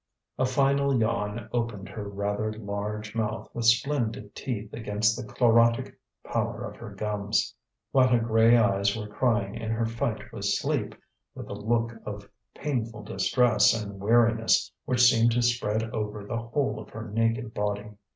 A final yawn opened her rather large mouth with splendid teeth against the chlorotic pallor of her gums; while her grey eyes were crying in her fight with sleep, with a look of painful distress and weariness which seemed to spread over the whole of her naked body.